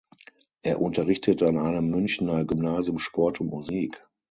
Er unterrichtet an einem Münchener Gymnasium Sport und Musik.